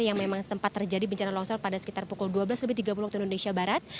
yang memang sempat terjadi bencana longsor pada sekitar pukul dua belas lebih tiga puluh waktu indonesia barat